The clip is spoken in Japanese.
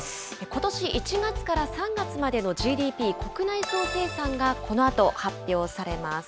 ことし１月から３月までのＧＤＰ・国内総生産が、このあと発表されます。